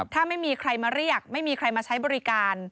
ถ้าไม่มีใครมาเรียกไม่มีใครมาใช้บริการ